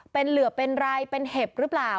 เป็นเหลือเป็นไรเป็นเห็บหรือเปล่า